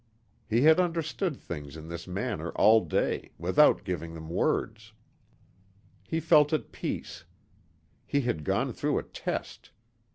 He had understood things in this manner all day, without giving them words. He felt at peace. He had gone through a test.